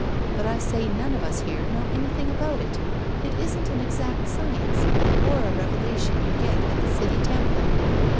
But I say none of us here know anything about it. It isn't an exact science, or a revelation you get at the City Temple.